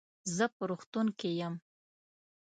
زه په روغتون کې يم.